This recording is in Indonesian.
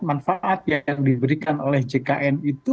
manfaat yang diberikan oleh jkn itu